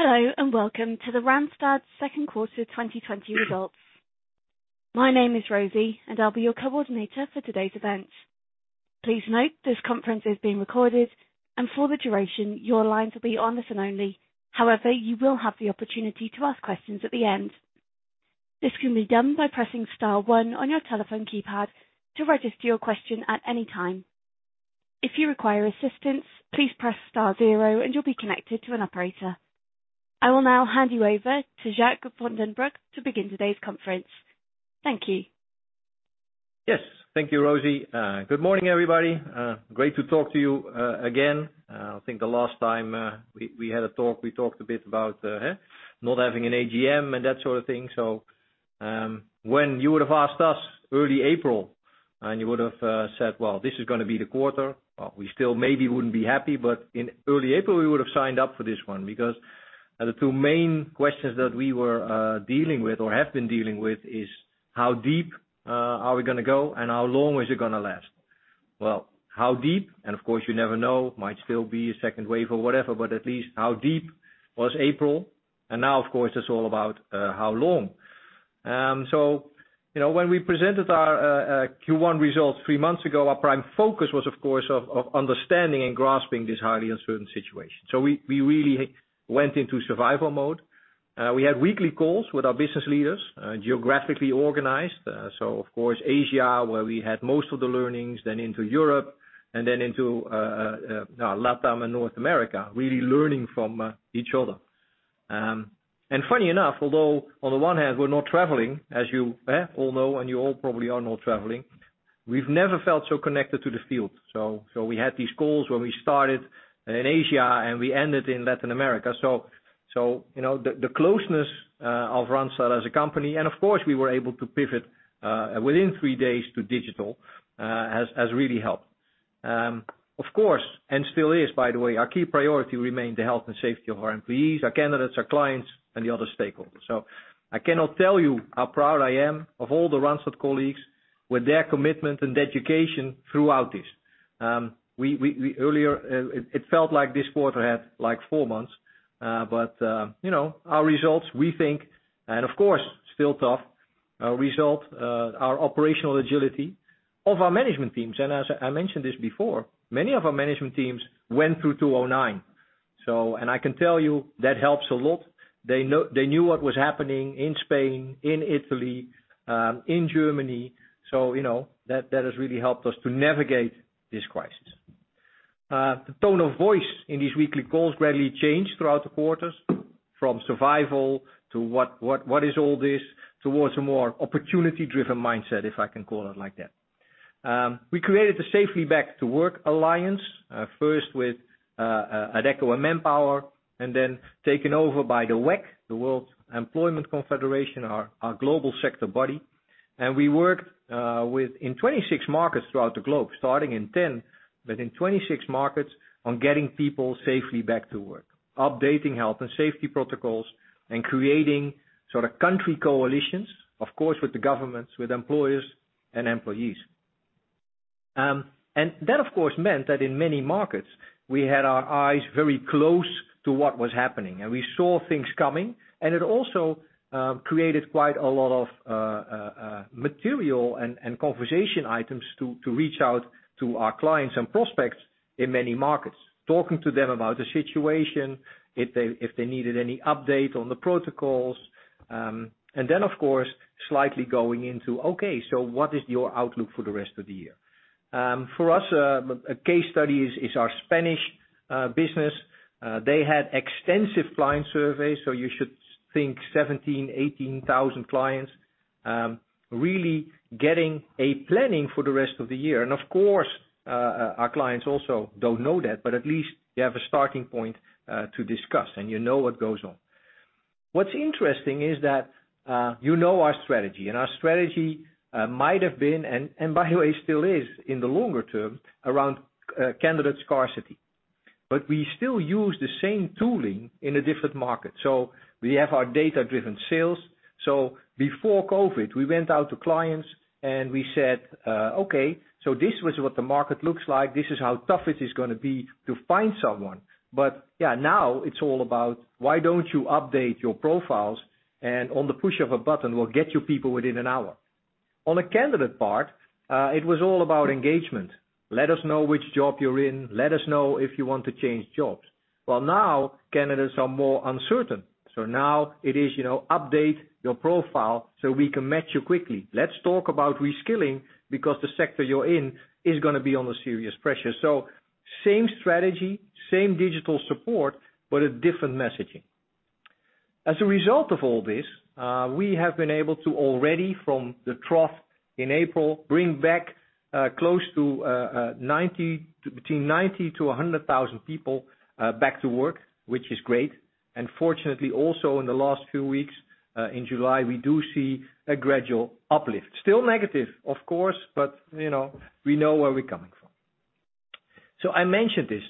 Hello, and welcome to the Randstad second quarter 2020 results. My name is Rosie, and I'll be your coordinator for today's event. Please note, this conference is being recorded, and for the duration, your line will be on listen only. However, you will have the opportunity to ask questions at the end. This can be done by pressing star one on your telephone keypad to register your question at any time. If you require assistance, please press star zero and you'll be connected to an operator. I will now hand you over to Jacques van den Broek to begin today's conference. Thank you. Yes. Thank you, Rosie. Good morning, everybody. Great to talk to you again. I think the last time we had a talk, we talked a bit about not having an AGM and that sort of thing. When you would've asked us early April, and you would've said, "Well, this is going to be the quarter." We still maybe wouldn't be happy, but in early April, we would've signed up for this one because the two main questions that we were dealing with or have been dealing with is how deep are we going to go, and how long is it going to last? How deep, and of course you never know, might still be a second wave or whatever, but at least how deep was April. Now, of course, it's all about how long. When we presented our Q1 results three months ago, our prime focus was of course of understanding and grasping this highly uncertain situation. We really went into survival mode. We had weekly calls with our business leaders, geographically organized. Of course, Asia, where we had most of the learnings, then into Europe, and then into LATAM and North America, really learning from each other. Funny enough, although on the one hand we are not traveling, as you all know, and you all probably are not traveling, we have never felt so connected to the field. We had these calls where we started in Asia, and we ended in Latin America. The closeness of Randstad as a company, and of course, we were able to pivot within three days to digital, has really helped. Still is by the way, our key priority remained the health and safety of our employees, our candidates, our clients, and the other stakeholders. I cannot tell you how proud I am of all the Randstad colleagues with their commitment and dedication throughout this. Earlier it felt like this quarter had four months. Our results, we think, and of course, still tough results, our operational agility of our management teams. As I mentioned this before, many of our management teams went through 2009. I can tell you that helps a lot. They knew what was happening in Spain, in Italy, in Germany. That has really helped us to navigate this crisis. The tone of voice in these weekly calls gradually changed throughout the quarters, from survival to what is all this, towards a more opportunity-driven mindset, if I can call it like that. We created the Safely Back to Work Alliance, first with Adecco and Manpower, then taken over by the WEC, the World Employment Confederation, our global sector body. We worked in 26 markets throughout the globe, starting in 10, but in 26 markets on getting people safely back to work. Updating health and safety protocols and creating country coalitions, of course, with the governments, with employers and employees. That, of course, meant that in many markets we had our eyes very close to what was happening, and we saw things coming. It also created quite a lot of material and conversation items to reach out to our clients and prospects in many markets. Talking to them about the situation, if they needed any update on the protocols. Of course, slightly going into, okay, so what is your outlook for the rest of the year? For us, a case study is our Spanish business. They had extensive client surveys, so you should think 17,000, 18,000 clients, really getting a planning for the rest of the year. Of course, our clients also don't know that, but at least they have a starting point to discuss, and you know what goes on. What's interesting is that you know our strategy, and our strategy might have been, and by the way, still is in the longer term, around candidate scarcity. We still use the same tooling in a different market. We have our data-driven sales. Before COVID-19, we went out to clients and we said, "Okay, this was what the market looks like. This is how tough it is going to be to find someone." Yeah, now it's all about why don't you update your profiles, and on the push of a button, we'll get you people within an hour. On the candidate part, it was all about engagement. Let us know which job you're in. Let us know if you want to change jobs. Well, now candidates are more uncertain. Now it is update your profile so we can match you quickly. Let's talk about reskilling because the sector you're in is going to be under serious pressure. Same strategy, same digital support, but a different messaging. As a result of all this, we have been able to already, from the trough in April, bring back close to between 90,000 to 100,000 people back to work, which is great. Fortunately, also in the last few weeks, in July, we do see a gradual uplift. Still negative, of course, but we know where we're coming from. I mentioned this.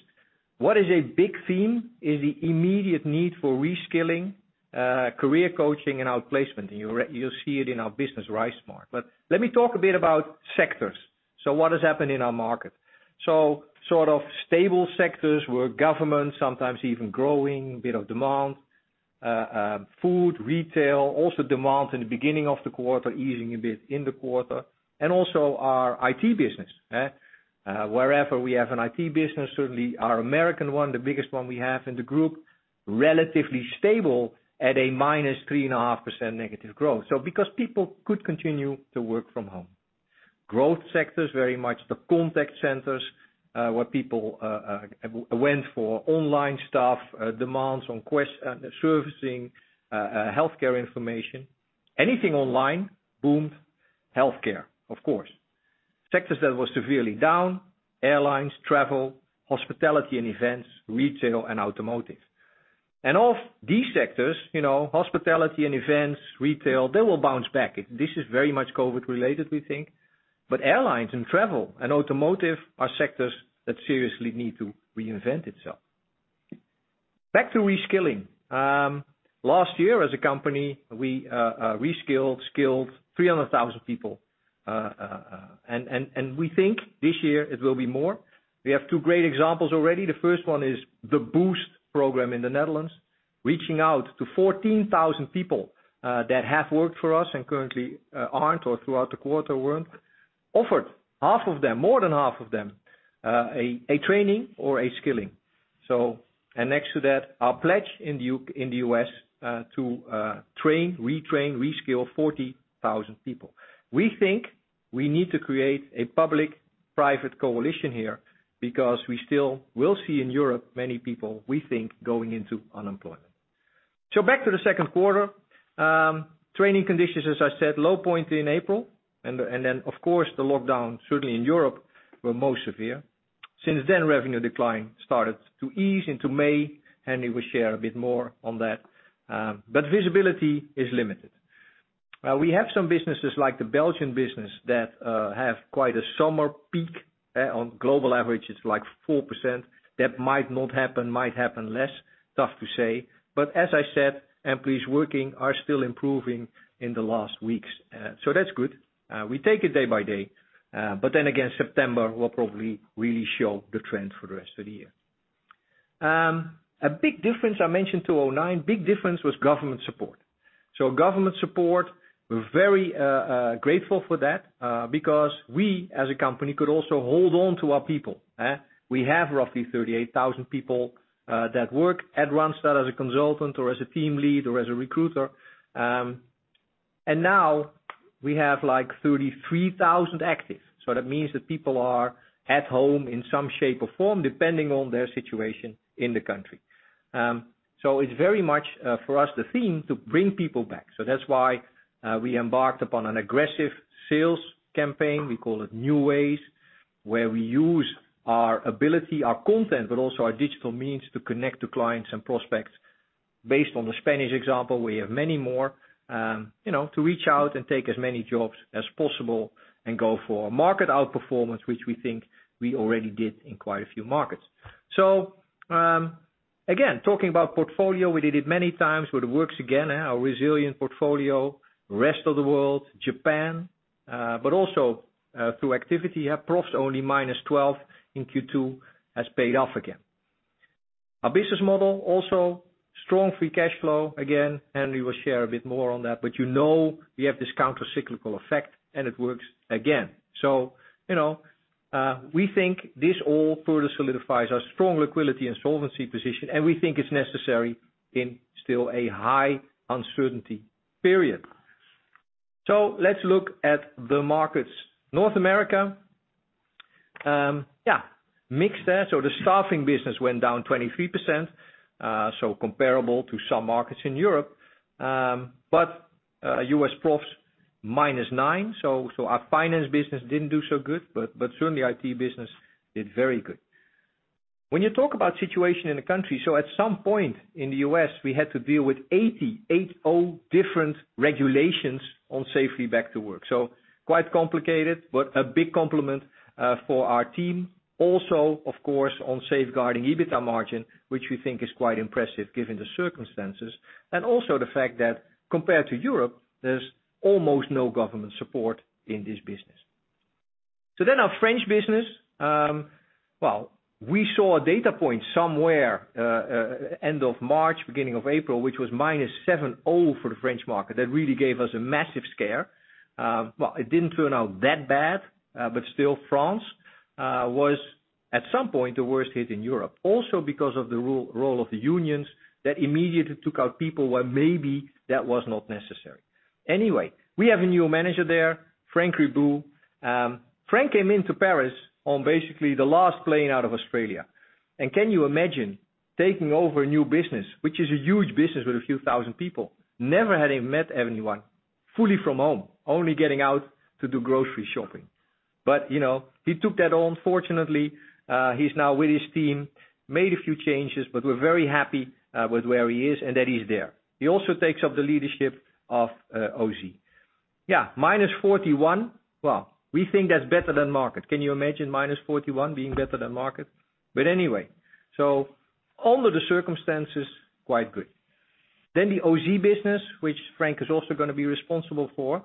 What is a big theme is the immediate need for reskilling, career coaching and outplacement. You'll see it in our business RiseSmart. Let me talk a bit about sectors. So what has happened in our market? Sort of stable sectors were government, sometimes even growing a bit of demand, food, retail, also demand in the beginning of the quarter, easing a bit in the quarter. Also our IT business. Wherever we have an IT business, certainly our American one, the biggest one we have in the group, relatively stable at a -3.5% negative growth. Because people could continue to work from home. Growth sectors, very much the contact centers, where people went for online stuff, demands on servicing, healthcare information. Anything online boomed, healthcare, of course. Sectors that were severely down, airlines, travel, hospitality and events, retail, and automotive. Of these sectors, hospitality and events, retail, they will bounce back. This is very much COVID-19 related, we think. Airlines and travel and automotive are sectors that seriously need to reinvent itself. Back to reskilling. Last year as a company, we reskilled, skilled 300,000 people. We think this year it will be more. We have two great examples already. The first one is the BOOST program in the Netherlands, reaching out to 14,000 people that have worked for us and currently aren't, or throughout the quarter weren't, offered half of them, more than half of them, a training or a skilling. Next to that, our pledge in the U.S. to train, retrain, reskill 40,000 people. We think we need to create a public-private coalition here, because we still will see in Europe many people, we think, going into unemployment. Back to the second quarter. Training conditions, as I said, low point in April. Of course, the lockdown, certainly in Europe, were most severe. Since then, revenue decline started to ease into May. Henry will share a bit more on that. Visibility is limited. We have some businesses like the Belgian business that have quite a summer peak. On global average, it's like 4%. That might not happen, might happen less, tough to say. As I said, employees working are still improving in the last weeks. That's good. We take it day by day. September will probably really show the trend for the rest of the year. A big difference, I mentioned 2009, big difference was government support. Government support, we're very grateful for that, because we as a company could also hold on to our people. We have roughly 38,000 people that work at Randstad as a consultant or as a team lead or as a recruiter. Now we have like 33,000 active. That means that people are at home in some shape or form, depending on their situation in the country. It's very much, for us the theme to bring people back. That's why we embarked upon an aggressive sales campaign. We call it new ways, where we use our ability, our content, but also our digital means to connect to clients and prospects based on the Spanish example. We have many more to reach out and take as many jobs as possible and go for a market outperformance, which we think we already did in quite a few markets. Again, talking about portfolio, we did it many times, but it works again. Our resilient portfolio, rest of the world, Japan, but also through activity, Professionals only minus 12 in Q2 has paid off again. Our business model also strong free cash flow again, Henry will share a bit more on that, but you know we have this countercyclical effect, and it works again. We think this all further solidifies our strong liquidity and solvency position, and we think it's necessary in still a high uncertainty period. Let's look at the markets. North America. Mixed there. The staffing business went down 23%, comparable to some markets in Europe. U.S. profs minus nine, our finance business didn't do so good, but certainly IT business did very good. When you talk about situation in the country, at some point in the U.S., we had to deal with 80, 8-0, different regulations on safely back to work. Quite complicated, but a big compliment for our team. Also, of course, on safeguarding EBITDA margin, which we think is quite impressive given the circumstances, and also the fact that compared to Europe, there's almost no government support in this business. Our French business. We saw a data point somewhere, end of March, beginning of April, which was minus 7-0 for the French market. That really gave us a massive scare. Well, it didn't turn out that bad, but still France was at some point the worst hit in Europe, also because of the role of the unions that immediately took out people where maybe that was not necessary. We have a new manager there, Frank Ribuot. Frank came into Paris on basically the last plane out of Australia. Can you imagine taking over a new business, which is a huge business with a few thousand people? Never had he met anyone, fully from home, only getting out to do grocery shopping. He took that on. Fortunately, he's now with his team, made a few changes, we're very happy with where he is and that he's there. He also takes up the leadership of Ausy. Yeah, minus 41. Well, we think that's better than market. Can you imagine minus 41 being better than market? Anyway, under the circumstances, quite good. Then the Ausy business, which Frank is also going to be responsible for.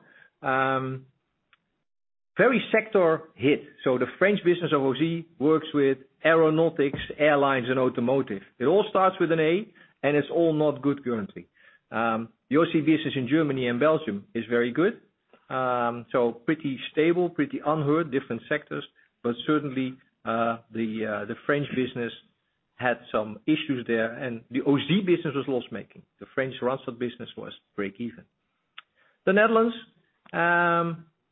Very sector hit. The French business of Ausy works with aeronautics, airlines, and automotive. It all starts with an A and it's all not good currently. The Ausy business in Germany and Belgium is very good. Pretty stable, pretty unhurt, different sectors. Certainly, the French business had some issues there, and the Ausy business was loss-making. The French Randstad business was breakeven. The Netherlands,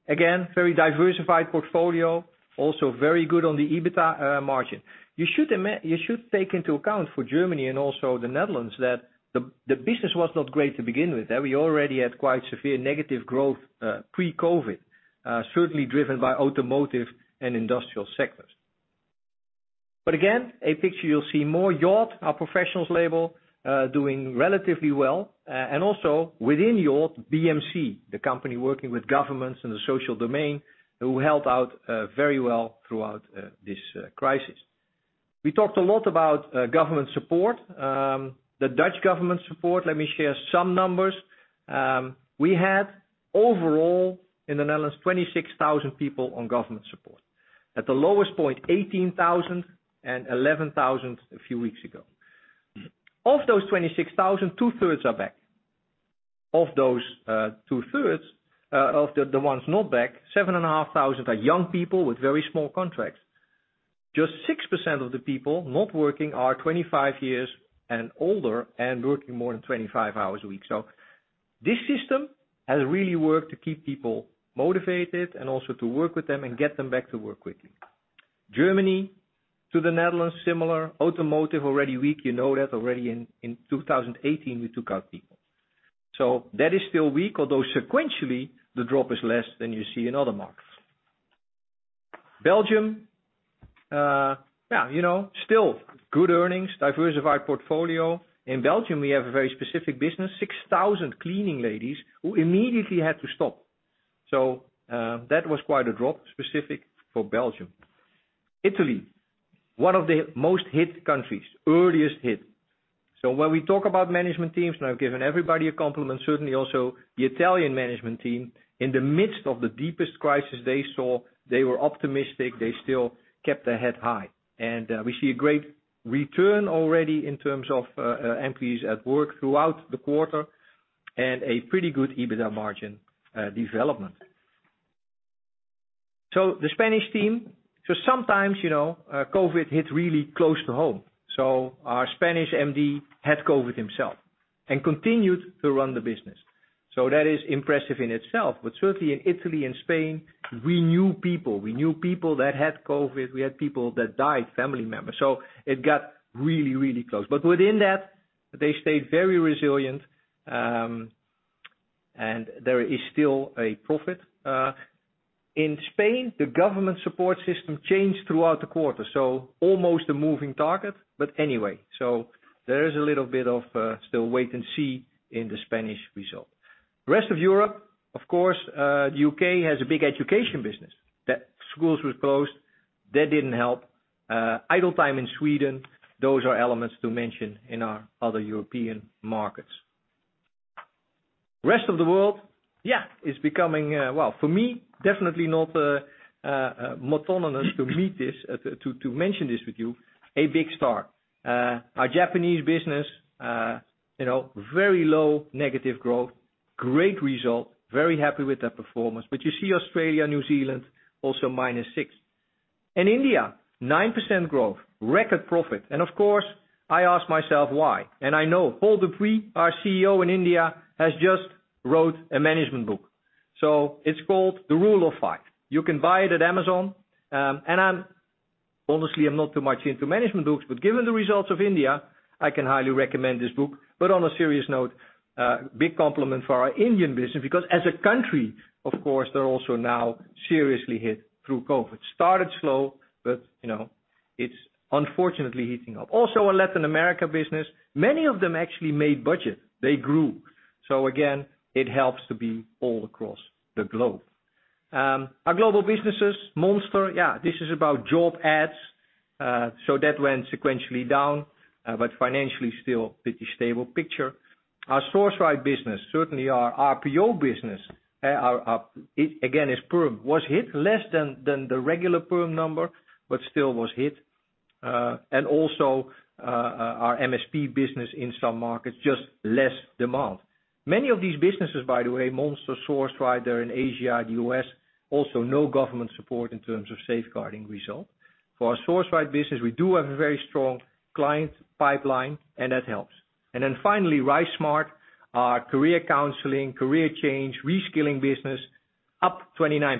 again, very diversified portfolio, also very good on the EBITDA margin. You should take into account for Germany and also the Netherlands that the business was not great to begin with. We already had quite severe negative growth pre-COVID, certainly driven by automotive and industrial sectors. Again, a picture you'll see more, Yacht, our Professionals label, doing relatively well. Within Yacht, BMC, the company working with governments in the social domain, who helped out very well throughout this crisis. We talked a lot about government support. The Dutch government support, let me share some numbers. We had overall in the Netherlands, 26,000 people on government support. At the lowest point, 18,000 and 11,000 a few weeks ago. Of those 26,000, two-thirds are back. Of those two-thirds, of the ones not back, 7,500 are young people with very small contracts. Just 6% of the people not working are 25 years and older and working more than 25 hours a week. This system has really worked to keep people motivated and also to work with them and get them back to work quickly. Germany to the Netherlands, similar. Automotive, already weak. You know that already in 2018, we took out people. That is still weak, although sequentially, the drop is less than you see in other markets. Belgium, still good earnings, diversified portfolio. In Belgium, we have a very specific business, 6,000 cleaning ladies who immediately had to stop. That was quite a drop specific for Belgium. Italy, one of the most hit countries, earliest hit. When we talk about management teams, and I've given everybody a compliment, certainly also the Italian management team in the midst of the deepest crisis they saw, they were optimistic. They still kept their head high. We see a great return already in terms of employees at work throughout the quarter and a pretty good EBITDA margin development. The Spanish team. Sometimes, COVID hit really close to home. Our Spanish MD had COVID himself and continued to run the business. That is impressive in itself. Certainly in Italy and Spain, we knew people. We knew people that had COVID-19. We had people that died, family members. It got really, really close. Within that, they stayed very resilient. There is still a profit. In Spain, the government support system changed throughout the quarter. Almost a moving target. Anyway, there is a little bit of still wait and see in the Spanish result. Rest of Europe, of course, U.K. has a big education business that schools were closed. That didn't help. idle time in Sweden. Those are elements to mention in our other European markets. Rest of the world, yeah, it's becoming, well, for me, definitely not monotonous to mention this with you, a big star. Our Japanese business, very low negative growth, great result, very happy with that performance. You see Australia, New Zealand, also minus 6. In India, 9% growth, record profit. Of course, I ask myself why. I know Paul Dupuis, our CEO in India, has just wrote a management book. It's called "The Rule of Five." You can buy it at Amazon. And honestly, I'm not too much into management books, but given the results of India, I can highly recommend this book. On a serious note, big compliment for our Indian business, because as a country, of course, they're also now seriously hit through COVID-19. Started slow, but it's unfortunately heating up. Also our Latin America business. Many of them actually made budget. They grew. Again, it helps to be all across the globe. Our global businesses, Monster, yeah, this is about job ads. That went sequentially down, but financially still pretty stable picture. Our Sourceright business, certainly our RPO business, again, is perm, was hit less than the regular perm number, but still was hit. Also our MSP business in some markets, just less demand. Many of these businesses, by the way, Monster, Sourceright, they're in Asia, the U.S., also no government support in terms of safeguarding result. For our Sourceright business, we do have a very strong client pipeline, and that helps. Finally, RiseSmart, our career counseling, career change, reskilling business, up 29%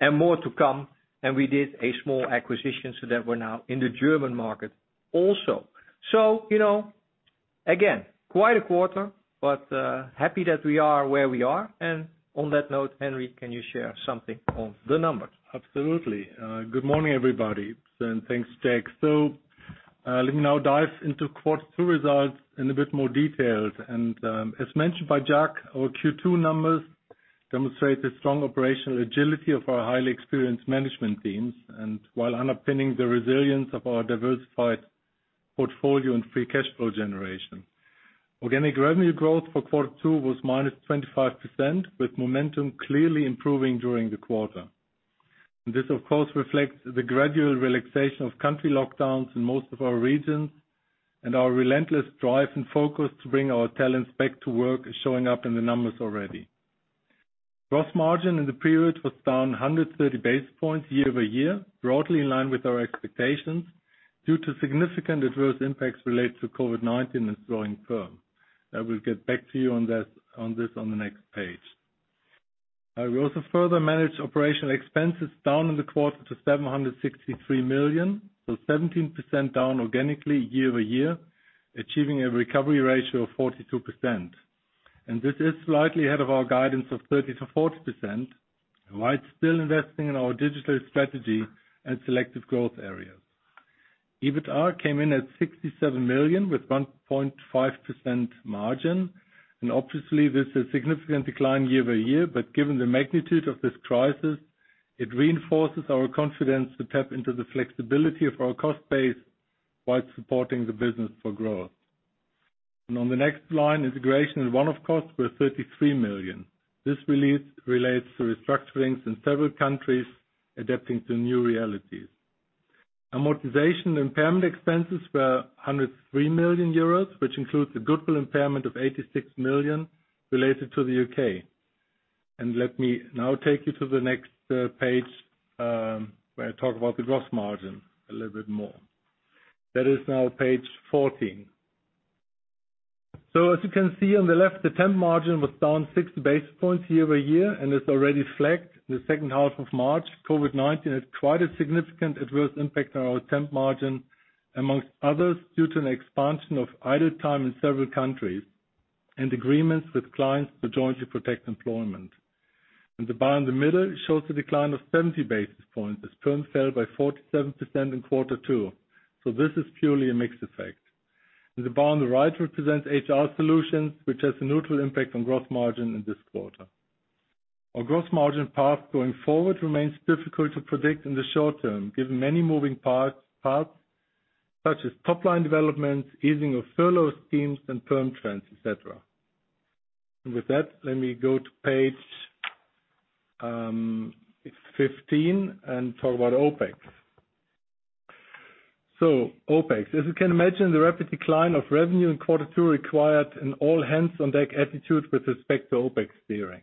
and more to come. We did a small acquisition so that we're now in the German market also. Again, quite a quarter, but happy that we are where we are. On that note, Henry, can you share something on the numbers? Absolutely. Good morning, everybody. Thanks, Jack. Let me now dive into quarter two results in a bit more detail. As mentioned by Jacques, our Q2 numbers demonstrates the strong operational agility of our highly experienced management teams, underpinning the resilience of our diversified portfolio and free cash flow generation. Organic revenue growth for quarter two was -25%, with momentum clearly improving during the quarter. This, of course, reflects the gradual relaxation of country lockdowns in most of our regions, our relentless drive and focus to bring our talents back to work is showing up in the numbers already. Gross margin in the period was down 130 basis points year-over-year, broadly in line with our expectations due to significant adverse impacts related to COVID-19 and slowing PERM. I will get back to you on this on the next page. We also further managed OpEx down in the quarter to 763 million. 17% down organically year-over-year, achieving a recovery ratio of 42%. This is slightly ahead of our guidance of 30%-40%, while still investing in our digital strategy and selective growth areas. EBITDA came in at 67 million with 1.5% margin, obviously this is a significant decline year-over-year, given the magnitude of this crisis, it reinforces our confidence to tap into the flexibility of our cost base while supporting the business for growth. On the next line, integration and one-off costs were 33 million. This relates to restructurings in several countries adapting to new realities. Amortization and impairment expenses were 103 million euros, which includes a goodwill impairment of 86 million related to the U.K. Let me now take you to the next page, where I talk about the gross margin a little bit more. That is now page 14. As you can see on the left, the temp margin was down 60 basis points year-over-year and has already flagged the second half of March. COVID-19 has quite a significant adverse impact on our temp margin, amongst others, due to an expansion of idle time in several countries and agreements with clients to jointly protect employment. The bar in the middle shows a decline of 70 basis points as PERM fell by 47% in quarter two. This is purely a mixed effect. The bar on the right represents HR solutions, which has a neutral impact on gross margin in this quarter. Our gross margin path going forward remains difficult to predict in the short term, given many moving parts, such as top-line development, easing of furlough schemes, and PERM trends, et cetera. With that, let me go to page 15 and talk about OpEx. OpEx, as you can imagine, the rapid decline of revenue in quarter two required an all-hands-on-deck attitude with respect to OpEx steering.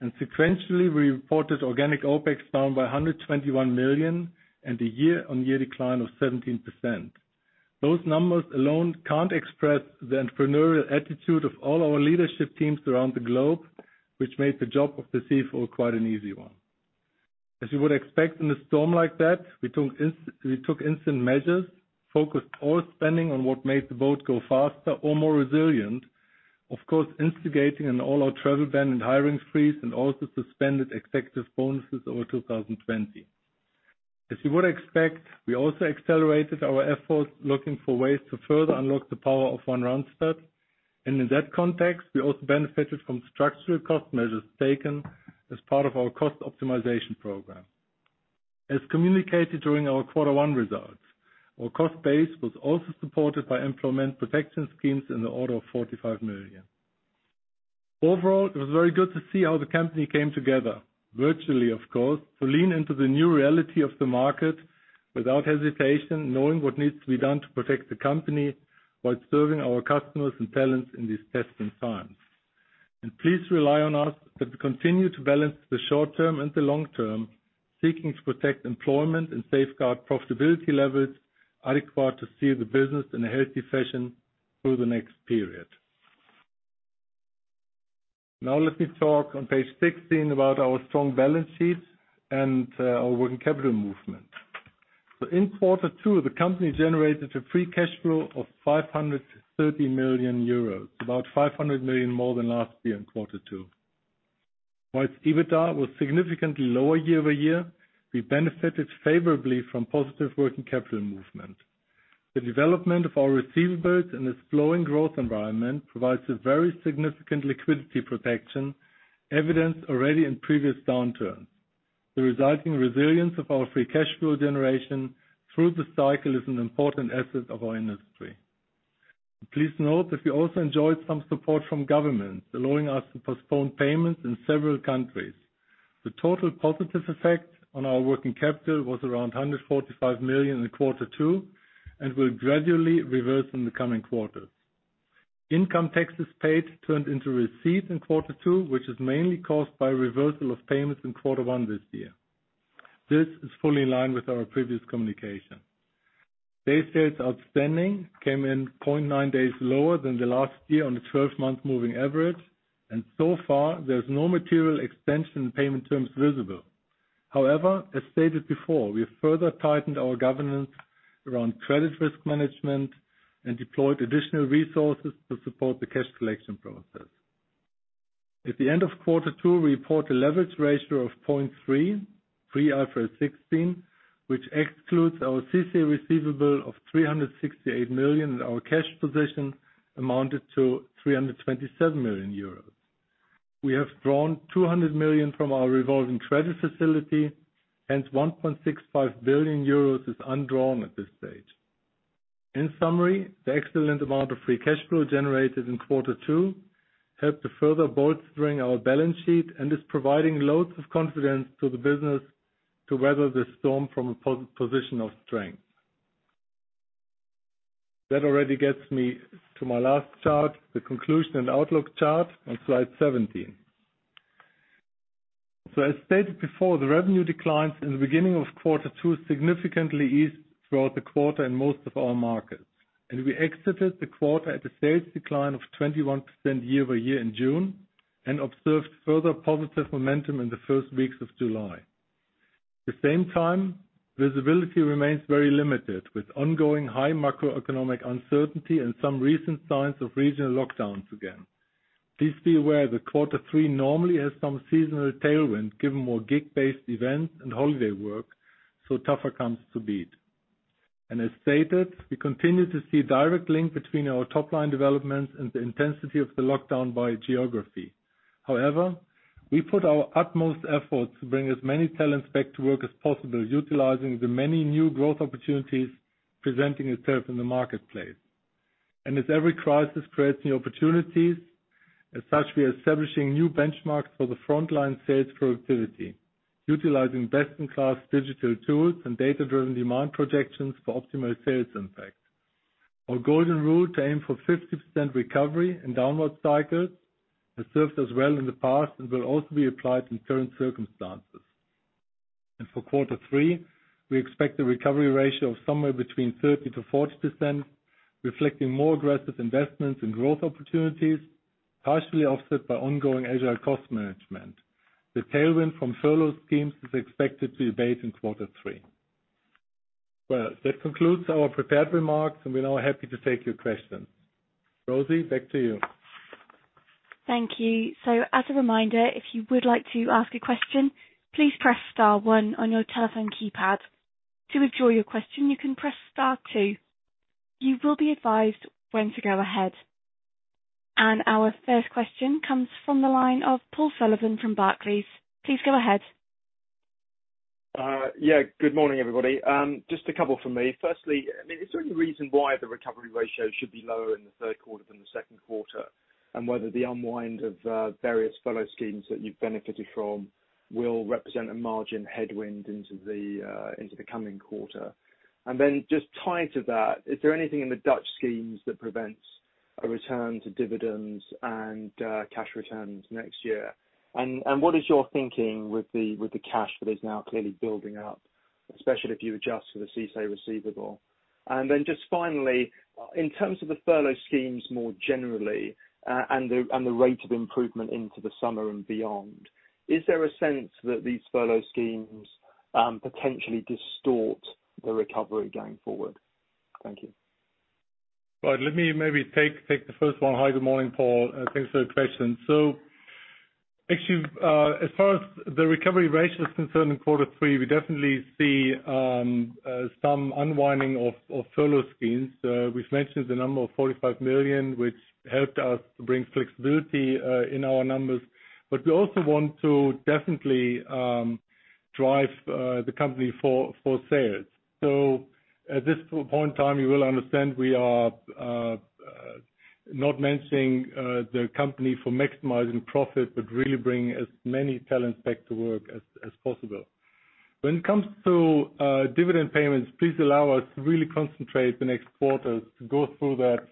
Sequentially, we reported organic OpEx down by 121 million and a year-on-year decline of 17%. Those numbers alone can't express the entrepreneurial attitude of all our leadership teams around the globe, which made the job of the CFO quite an easy one. As you would expect in a storm like that, we took instant measures, focused all spending on what made the boat go faster or more resilient. Of course, instigating an all-out travel ban and hiring freeze and also suspended executive bonuses over 2020. As you would expect, we also accelerated our efforts looking for ways to further unlock the power of One Randstad, and in that context, we also benefited from structural cost measures taken as part of our cost optimization program. As communicated during our quarter one results, our cost base was also supported by employment protection schemes in the order of 45 million. Overall, it was very good to see how the company came together, virtually of course, to lean into the new reality of the market without hesitation, knowing what needs to be done to protect the company while serving our customers and talents in these testing times. Please rely on us that we continue to balance the short term and the long term, seeking to protect employment and safeguard profitability levels are required to steer the business in a healthy fashion through the next period. Let me talk on page 16 about our strong balance sheet and our working capital movement. In quarter two, the company generated a free cash flow of 530 million euros, about 500 million more than last year in quarter two. While EBITDA was significantly lower year-over-year, we benefited favorably from positive working capital movement. The development of our receivables in a slowing growth environment provides a very significant liquidity protection evidenced already in previous downturns. The resulting resilience of our free cash flow generation through the cycle is an important asset of our industry. Please note that we also enjoyed some support from governments, allowing us to postpone payments in several countries. The total positive effect on our working capital was around 145 million in quarter 2 and will gradually reverse in the coming quarters. Income taxes paid turned into receipt in quarter 2, which is mainly caused by reversal of payments in quarter 1 this year. This is fully in line with our previous communication. Day sales outstanding came in 0.9 days lower than the last year on the 12-month moving average. So far, there's no material extension in payment terms visible. As stated before, we have further tightened our governance around credit risk management and deployed additional resources to support the cash collection process. At the end of quarter two, we report a leverage ratio of 0.3 Pre IFRS 16, which excludes our CICE receivable of 368 million, and our cash position amounted to 327 million euros. We have drawn 200 million from our revolving credit facility, hence 1.65 billion euros is undrawn at this stage. In summary, the excellent amount of free cash flow generated in quarter two helped to further bolster our balance sheet and is providing loads of confidence to the business to weather this storm from a position of strength. That already gets me to my last chart, the conclusion and outlook chart on slide 17. As stated before, the revenue declines in the beginning of quarter two significantly eased throughout the quarter in most of our markets. We exited the quarter at a sales decline of 21% year-over-year in June, and observed further positive momentum in the first weeks of July. At the same time, visibility remains very limited, with ongoing high macroeconomic uncertainty and some recent signs of regional lockdowns again. Please be aware that quarter three normally has some seasonal tailwind given more gig-based events and holiday work, so tougher comps to beat. As stated, we continue to see a direct link between our top-line developments and the intensity of the lockdown by geography. However, we put our utmost efforts to bring as many talents back to work as possible, utilizing the many new growth opportunities presenting itself in the marketplace. As every crisis creates new opportunities, as such, we are establishing new benchmarks for the frontline sales productivity, utilizing best-in-class digital tools and data-driven demand projections for optimal sales impact. Our golden rule to aim for 50% recovery in downward cycles has served us well in the past and will also be applied in current circumstances. For quarter three, we expect a recovery ratio of somewhere between 30%-40%, reflecting more aggressive investments in growth opportunities, partially offset by ongoing agile cost management. The tailwind from furlough schemes is expected to abate in quarter three. That concludes our prepared remarks, and we're now happy to take your questions. Rosie, back to you. Thank you. As a reminder, if you would like to ask a question, please press star one on your telephone keypad. To withdraw your question, you can press star two. You will be advised when to go ahead. Our first question comes from the line of Paul Sullivan from Barclays. Please go ahead. Good morning, everybody. Just a couple from me. Firstly, is there any reason why the recovery ratio should be lower in the third quarter than the second quarter, and whether the unwind of various furlough schemes that you've benefited from will represent a margin headwind into the coming quarter? Just tied to that, is there anything in the Dutch schemes that prevents a return to dividends and cash returns next year? What is your thinking with the cash that is now clearly building up, especially if you adjust for the SISI receivable? Just finally, in terms of the furlough schemes more generally, and the rate of improvement into the summer and beyond, is there a sense that these furlough schemes potentially distort the recovery going forward? Thank you. Right. Let me maybe take the first one. Hi, good morning, Paul. Thanks for the question. Actually, as far as the recovery ratio is concerned in quarter 3, we definitely see some unwinding of furlough schemes. We've mentioned the number of 45 million, which helped us to bring flexibility in our numbers. We also want to definitely drive the company for sales. At this point in time, you will understand, we are not mentioning the company for maximizing profit, but really bringing as many talents back to work as possible. When it comes to dividend payments, please allow us to really concentrate the next quarters to go through the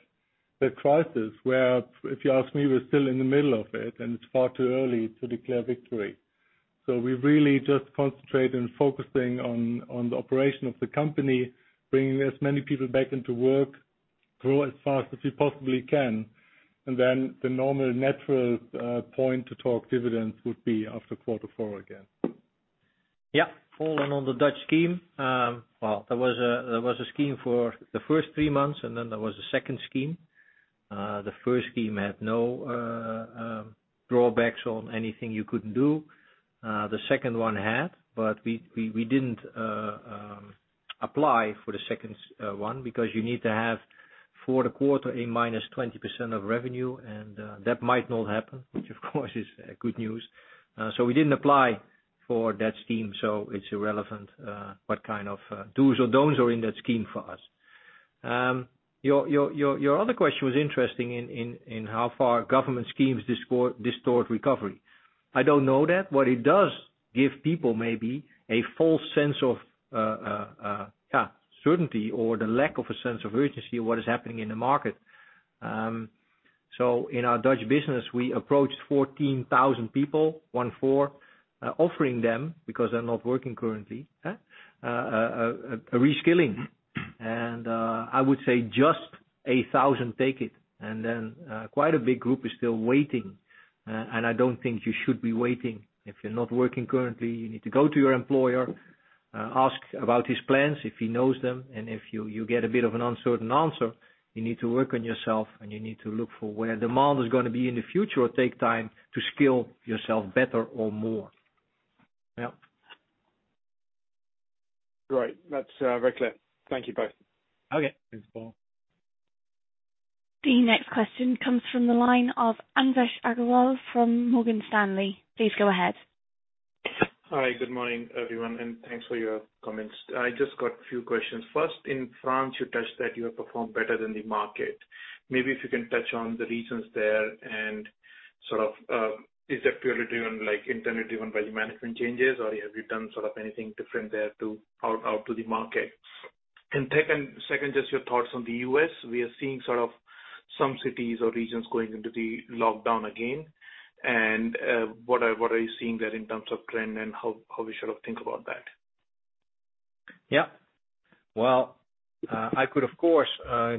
crisis, where, if you ask me, we're still in the middle of it and it's far too early to declare victory. We really just concentrate on focusing on the operation of the company, bringing as many people back into work, grow as fast as we possibly can. The normal natural point to talk dividends would be after quarter four again. Paul, on the Dutch scheme, well, there was a scheme for the first three months, and then there was a second scheme. The first scheme had no drawbacks on anything you couldn't do. The second one had, but we didn't apply for the second one because you need to have for the quarter a minus 20% of revenue, and that might not happen, which of course is good news. We didn't apply for that scheme, so it's irrelevant what kind of do's or don'ts are in that scheme for us. Your other question was interesting in how far government schemes distort recovery. I don't know that. What it does give people maybe a false sense of certainty or the lack of a sense of urgency of what is happening in the market. In our Dutch business, we approached 14,000 people, offering them, because they're not working currently, a reskilling. I would say just 1,000 take it. Quite a big group is still waiting. I don't think you should be waiting. If you're not working currently, you need to go to your employer. Ask about his plans, if he knows them, and if you get a bit of an uncertain answer, you need to work on yourself, and you need to look for where demand is going to be in the future or take time to skill yourself better or more. Great. That's very clear. Thank you both. Okay. Thanks, Paul. The next question comes from the line of Anvesh Agrawal from Morgan Stanley. Please go ahead. Hi. Good morning, everyone, thanks for your comments. I just got a few questions. First, in France, you touched that you have performed better than the market. Maybe if you can touch on the reasons there and is that purely driven, like internally driven by management changes, or have you done anything different there to help out to the market? Second, just your thoughts on the U.S. We are seeing some cities or regions going into the lockdown again. What are you seeing there in terms of trend and how we should think about that? Well, I could, of course,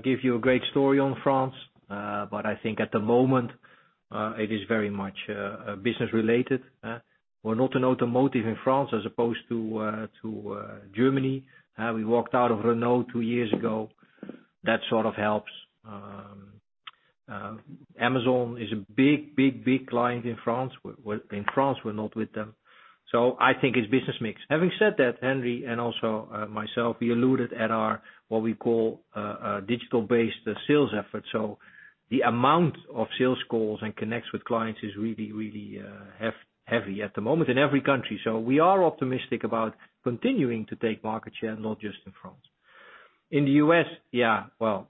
give you a great story on France. I think at the moment, it is very much business-related. We're not in automotive in France as opposed to Germany. We walked out of Renault two years ago. That sort of helps. Amazon is a big client in France. In France, we're not with them. I think it's business mix. Having said that, Henry and also myself, we alluded at our, what we call, digital-based sales effort. The amount of sales calls and connects with clients is really heavy at the moment in every country. We are optimistic about continuing to take market share, not just in France. In the U.S.,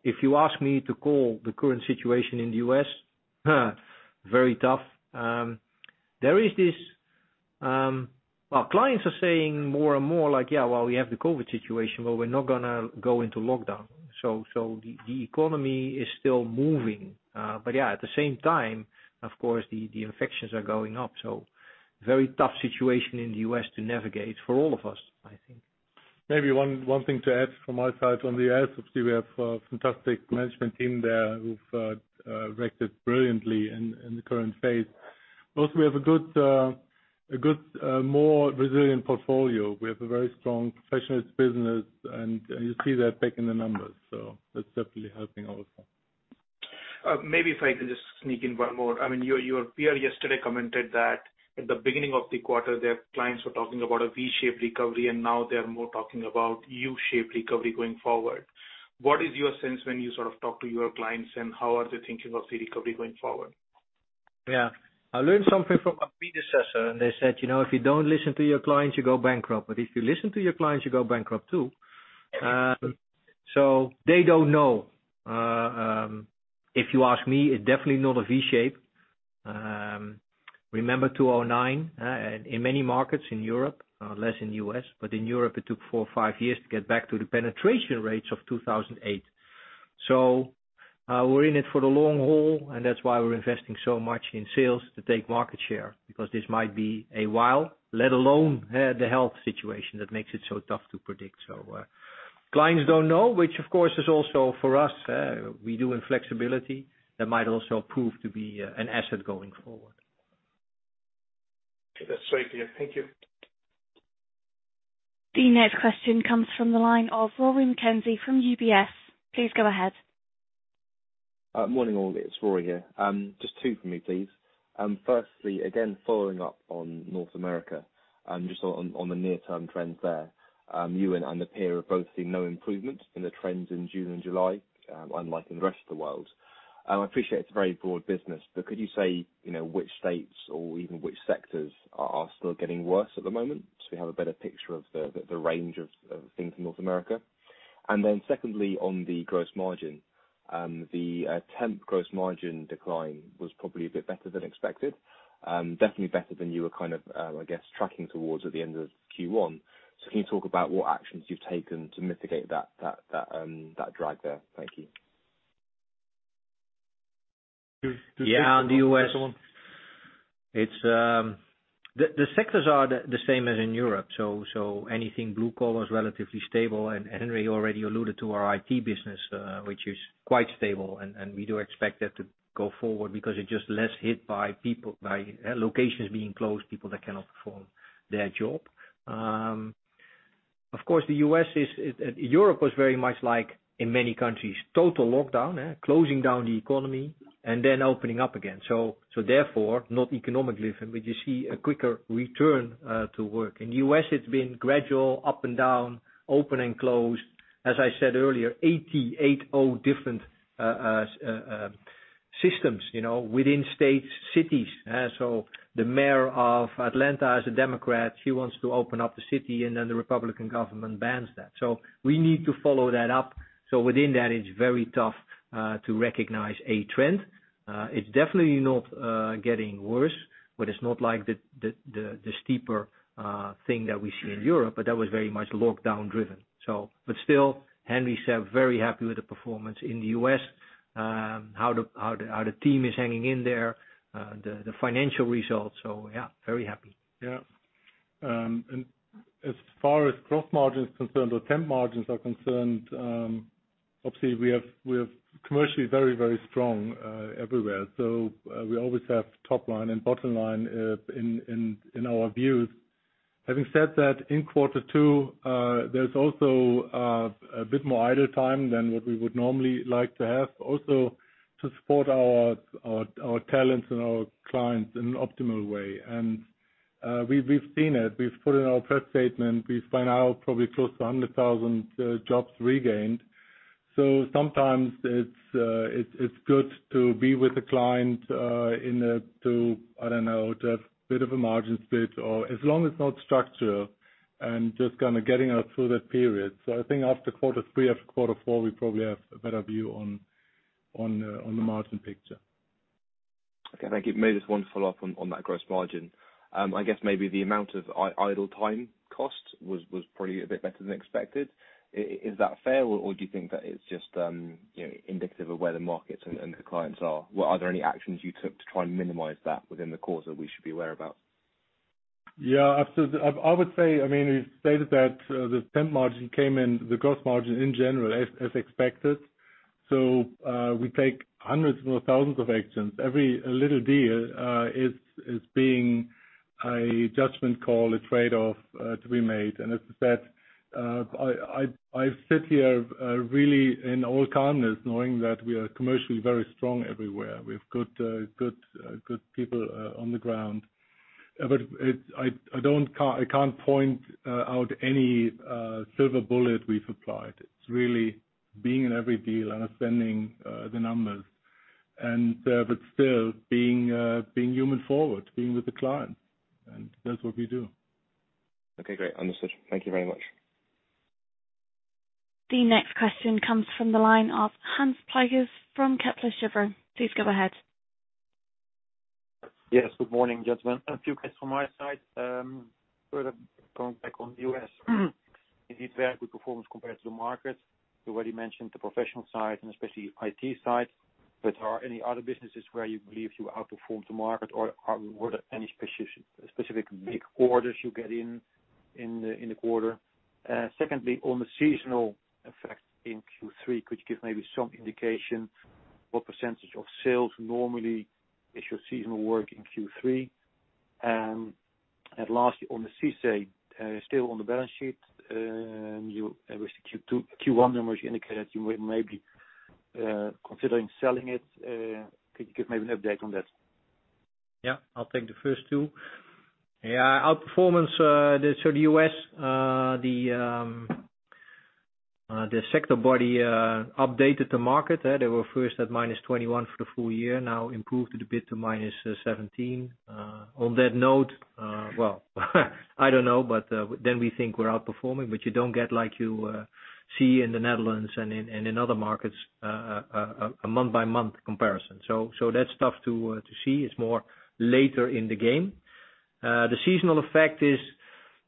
if you ask me to call the current situation in the U.S., very tough. Our clients are saying more and more, "Yeah, well, we have the COVID situation, but we're not going to go into lockdown." The economy is still moving. At the same time, of course, the infections are going up. Very tough situation in the U.S. to navigate for all of us, I think. Maybe one thing to add from my side on the U.S., obviously, we have a fantastic management team there who've reacted brilliantly in the current phase. Also, we have a good, more resilient portfolio. We have a very strong Professionals business, and you see that back in the numbers. That's definitely helping also. Maybe if I could just sneak in one more. Your peer yesterday commented that at the beginning of the quarter, their clients were talking about a V-shaped recovery. Now they are more talking about U-shaped recovery going forward. What is your sense when you talk to your clients, and how are they thinking of the recovery going forward? I learned something from my predecessor, and they said, "If you don't listen to your clients, you go bankrupt. If you listen to your clients, you go bankrupt, too." They don't know. If you ask me, it's definitely not a V shape. Remember 2009, in many markets in Europe, less in U.S., but in Europe, it took four or five years to get back to the penetration rates of 2008. We're in it for the long haul, and that's why we're investing so much in sales to take market share because this might be a while, let alone the health situation that makes it so tough to predict. Clients don't know, which of course is also for us. We do have flexibility that might also prove to be an asset going forward. That's very clear. Thank you. The next question comes from the line of Rory McKenzie from UBS. Please go ahead. Morning, all. It's Rory here. Just two from me, please. Firstly, again, following up on North America, just on the near-term trends there. You and our peer have both seen no improvement in the trends in June and July, unlike in the rest of the world. I appreciate it's a very broad business, but could you say which states or even which sectors are still getting worse at the moment so we have a better picture of the range of things in North America? Secondly, on the gross margin. The temp gross margin decline was probably a bit better than expected. Definitely better than you were, I guess, tracking towards at the end of Q1. Can you talk about what actions you've taken to mitigate that drag there? Thank you. On the U.S. The sectors are the same as in Europe. Anything blue-collar is relatively stable. Henry already alluded to our IT business, which is quite stable, and we do expect that to go forward because it's just less hit by locations being closed, people that cannot perform their job. Of course, Europe was very much like, in many countries, total lockdown, closing down the economy and then opening up again. Therefore, not economically driven, but you see a quicker return to work. In U.S., it's been gradual, up and down, open and closed. As I said earlier, 80 different systems within states, cities. The mayor of Atlanta is a Democrat. She wants to open up the city, and then the Republican government bans that. We need to follow that up. Within that, it's very tough to recognize a trend. It's definitely not getting worse, but it's not like the steeper thing that we see in Europe, but that was very much lockdown driven. Still, Henry said, very happy with the performance in the U.S., how the team is hanging in there, the financial results. Yeah, very happy. Yeah. As far as gross margin is concerned or temp margins are concerned. Obviously, we are commercially very, very strong everywhere. We always have top line and bottom line in our views. Having said that, in quarter two, there's also a bit more idle time than what we would normally like to have also to support our talents and our clients in an optimal way. We've seen it. We've put it in our press statement. We find out probably close to 100,000 jobs regained. Sometimes it's good to be with the client, I don't know, to have a bit of a margin spit or as long as it's not structural and just kind of getting us through that period. I think after quarter three, after quarter four, we probably have a better view on the margin picture. Okay, thank you. Maybe just one follow-up on that gross margin. I guess maybe the amount of idle time cost was probably a bit better than expected. Is that fair, or do you think that it's just indicative of where the markets and the clients are? Are there any actions you took to try and minimize that within the quarter we should be aware about? Yeah. I would say, we stated that the temp margin came in, the gross margin in general is as expected. We take hundreds or thousands of actions. Every little deal is being a judgment call, a trade-off to be made. As I said, I sit here really in all calmness knowing that we are commercially very strong everywhere. We have good people on the ground. I can't point out any silver bullet we've applied. It's really being in every deal, understanding the numbers. Still being human forward, being with the client, and that's what we do. Okay, great. Understood. Thank you very much. The next question comes from the line of Hans Pluijgers from Kepler Cheuvreux. Please go ahead. Yes, good morning, gentlemen. A few questions from my side. Further going back on the U.S. Indeed, very good performance compared to the market. You already mentioned the Professionals side and especially IT side. Are any other businesses where you believe you outperformed the market or were there any specific big orders you get in the quarter? Secondly, on the seasonal effect in Q3, could you give maybe some indication what % of sales normally is your seasonal work in Q3? Lastly, on the CICE, still on the balance sheet, with the Q1 numbers, you indicated you were maybe considering selling it. Could you give maybe an update on that? I'll take the first two. Our performance, the U.S., the sector body updated the market. They were first at -21% for the full year, now improved it a bit to -17%. On that note, well, I don't know, we think we're outperforming. You don't get like you see in the Netherlands and in other markets a month-by-month comparison. That's tough to see. It's more later in the game. The seasonal effect is,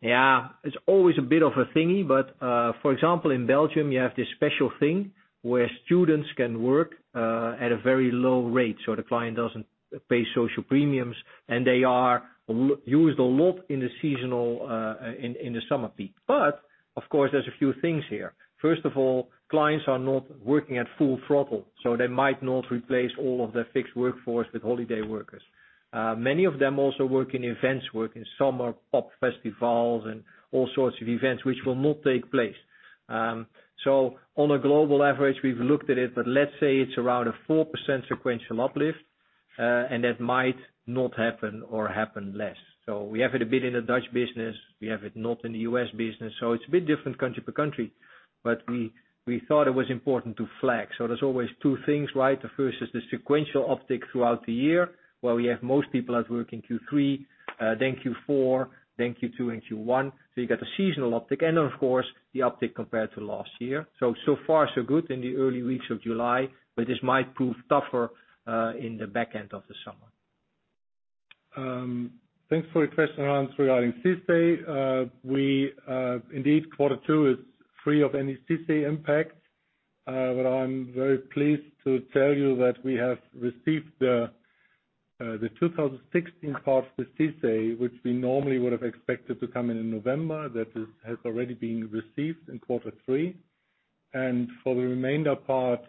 it's always a bit of a thingy, but for example, in Belgium, you have this special thing where students can work at a very low rate, so the client doesn't pay social premiums, and they are used a lot in the summer peak. Of course, there's a few things here. First of all, clients are not working at full throttle, they might not replace all of their fixed workforce with holiday workers. Many of them also work in events work, in summer pop festivals and all sorts of events, which will not take place. On a global average, we've looked at it, but let's say it's around a 4% sequential uplift, and that might not happen or happen less. We have it a bit in the Dutch business. We have it not in the U.S. business. It's a bit different country per country. We thought it was important to flag. There's always two things, right? The first is the sequential uptick throughout the year, where we have most people at work in Q3, then Q4, then Q2 and Q1. You get a seasonal uptick and of course, the uptick compared to last year. So far so good in the early weeks of July. This might prove tougher in the back end of the summer. Thanks for your question, Hans, regarding CICE. Indeed, quarter two is free of any CICE impact. I'm very pleased to tell you that we have received the 2016 part of the CICE, which we normally would have expected to come in in November, that has already been received in quarter three. For the remainder part,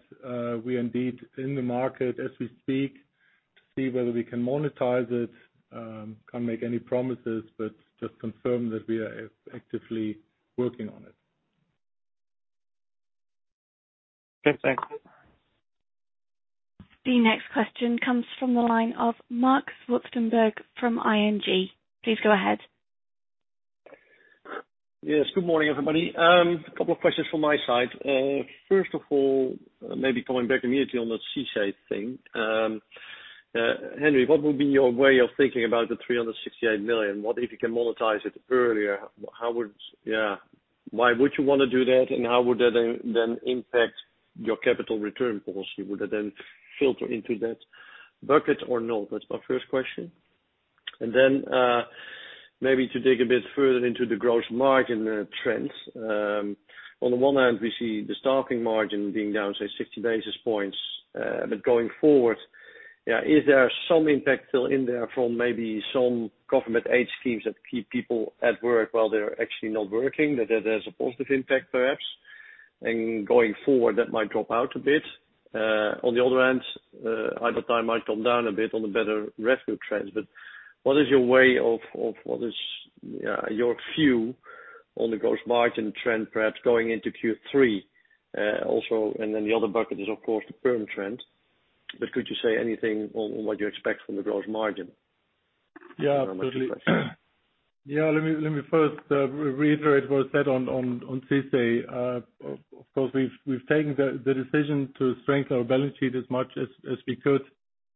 we indeed in the market as we speak to see whether we can monetize it. Can't make any promises, but just confirm that we are actively working on it. Okay, thanks. The next question comes from the line of Marc Zwartsenburg from ING. Please go ahead. Yes, good morning, everybody. A couple of questions from my side. First of all, coming back immediately on the CICE thing. Henry, what would be your way of thinking about the 368 million? What if you can monetize it earlier? Why would you want to do that, and how would that then impact your capital return policy? Would that then filter into that bucket or not? That's my first question. Then, maybe to dig a bit further into the gross margin trends. On the one hand, we see the staffing margin being down, say, 60 basis points. Going forward. Yeah. Is there some impact still in there from maybe some government aid schemes that keep people at work while they're actually not working, that there's a positive impact, perhaps, and going forward, that might drop out a bit? On the other hand, idle time might come down a bit on the better revenue trends. What is your view on the gross margin trend, perhaps going into Q3? The other bucket is, of course, the perm trend. Could you say anything on what you expect from the gross margin? Yeah, absolutely. Let me first reiterate what I said on Tuesday. Of course, we've taken the decision to strengthen our balance sheet as much as we could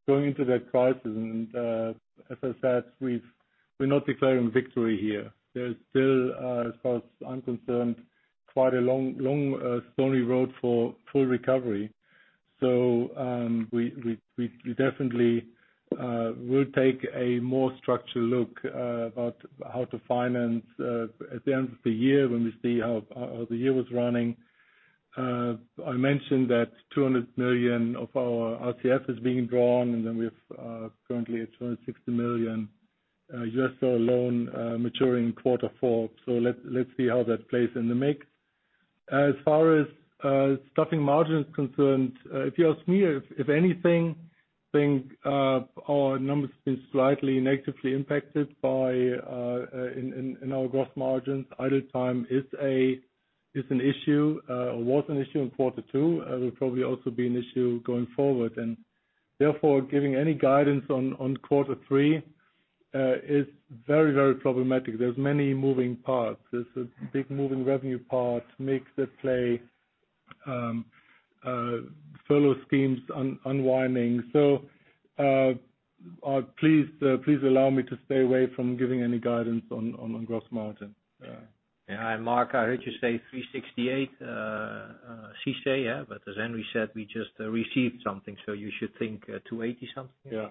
going into that crisis. As I said, we're not declaring victory here. There's still, as far as I'm concerned, quite a long, stony road for full recovery. We definitely will take a more structured look about how to finance at the end of the year when we see how the year was running. I mentioned that 200 million of our RCF is being drawn, and then we have currently a $260 million USPP loan maturing quarter four. Let's see how that plays in the mix. As far as staffing margin is concerned, if you ask me, if anything, our numbers have been slightly negatively impacted in our gross margins. Idle time is an issue, or was an issue in quarter two, will probably also be an issue going forward. Therefore, giving any guidance on quarter three, is very problematic. There's many moving parts. There's a big moving revenue part, mix at play, furlough schemes unwinding. Please allow me to stay away from giving any guidance on gross margin. Marc, I heard you say 368 CICE. As Henry said, we just received something, so you should think 280 something. Yeah,